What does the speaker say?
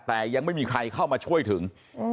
แต่ยังไม่มีใครเข้ามาช่วยถึง